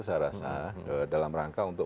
saya rasa dalam rangka untuk